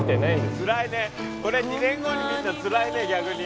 つらいねこれ２年後に見るのつらいね逆に。